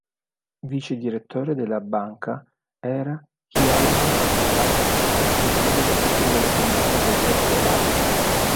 Vicedirettore della Banca era Hjalmar Schacht, il futuro Ministro dell'Economia del Terzo Reich.